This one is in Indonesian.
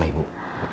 apa yang udah kecil